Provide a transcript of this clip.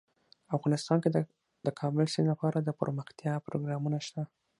افغانستان کې د د کابل سیند لپاره دپرمختیا پروګرامونه شته.